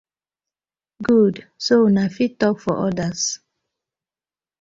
Good so una fit tok for others.